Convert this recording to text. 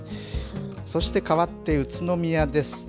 そしてかわって、宇都宮です。